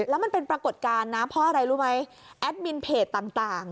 แล้วมันเป็นปรากฏการณ์นะเพราะอะไรรู้ไหมแอดมินเพจต่าง